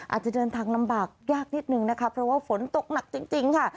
อาจจะเดินทางลำบากยากนิดนึงนะคะเพราะว่าฝนตกหนักจริงค่ะ